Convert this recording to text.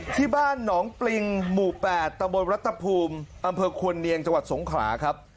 ที่บ้านหนองปริงหมู่๘ตะบนรัฐภูมิอำเภอควรเนียงจังหวัดสงขลาครับ